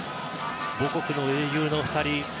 母国の英雄の２人。